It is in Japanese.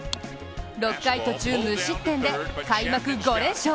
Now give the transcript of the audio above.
６回途中無失点で開幕５連勝。